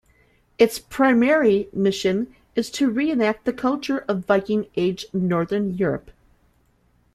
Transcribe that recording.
Its primary mission is to reenact the culture of "Viking Age" Northern Europe.